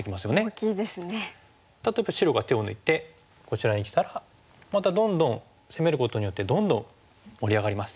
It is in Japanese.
例えば白が手を抜いてこちらにきたらまたどんどん攻めることによってどんどん盛り上がります。